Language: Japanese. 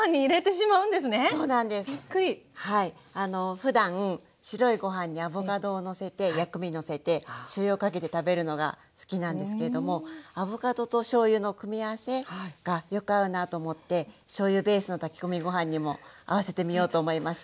ふだん白いご飯にアボカドをのせて薬味のせてしょうゆをかけて食べるのが好きなんですけれどもアボカドとしょうゆの組み合わせがよく合うなと思ってしょうゆベースの炊き込みご飯にも合わせてみようと思いました。